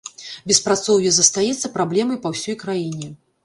Беспрацоўе застаецца праблемай па ўсёй краіне.